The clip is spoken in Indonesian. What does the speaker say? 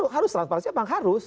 harus transparansi ya bang harus